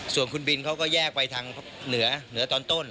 ส่วนคุณบินเขาก็แยกไปทางเหนือเหนือตอนต้น